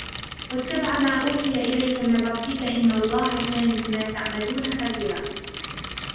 واتبع ما يوحى إليك من ربك إن الله كان بما تعملون خبيرا